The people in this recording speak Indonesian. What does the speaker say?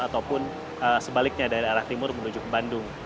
ataupun sebaliknya dari arah timur menuju ke bandung